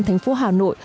thành phố hà nội